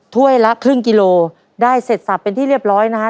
ถ้วยละครึ่งกิโลได้เสร็จสับเป็นที่เรียบร้อยนะฮะ